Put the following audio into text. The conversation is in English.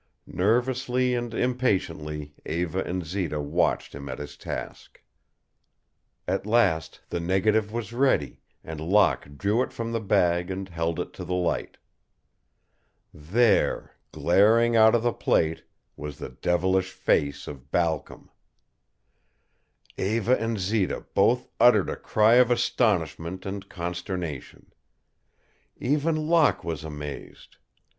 Nervously and impatiently Eva and Zita watched him at his task. At last the negative was ready and Locke drew it from the bag and held it to the light. There, glaring out of the plate, was the devilish face of Balcom! Eva and Zita both uttered a cry of astonishment and consternation. Even Locke was amazed.